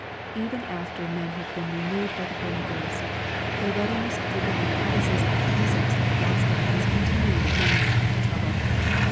Even after men have been renewed bythe Holy Ghost, their readi ness to forget the promises and precepts of the Gospel is continually bringing them mto trouble.